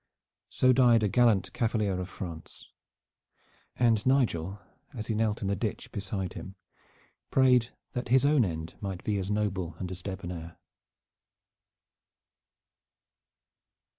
So died a gallant cavalier of France, and Nigel as he knelt in the ditch beside him prayed that his own end might be as noble and as debonair.